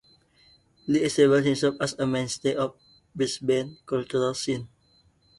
Li established himself as a mainstay of Brisbane's cultural scene.